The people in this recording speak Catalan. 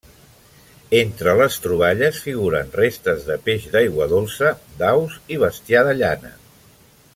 Entre les troballes, figuren restes de peix d'aigua dolça, d'aus i bestiar de llana.